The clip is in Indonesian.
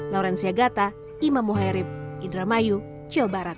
laurencia gata imam muhairib indramayu jawa barat